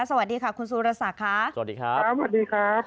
สวัสดีค่ะคุณสุรศักดิ์ค่ะสวัสดีครับสวัสดีครับ